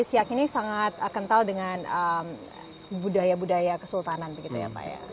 siak ini sangat kental dengan budaya budaya kesultanan begitu ya pak ya